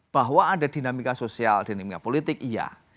bahwa ada dinamika sosial dinamika politik iya